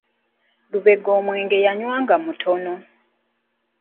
Lubega omwenge yanyanga mutono.